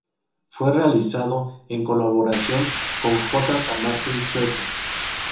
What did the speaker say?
Fue realizado en colaboración con J. Sanmartín Chueca.